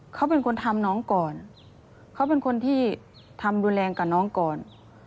เขาเป็นคนทำน้องก่อนเขาเป็นคนที่ทำรุนแรงกับน้องก่อน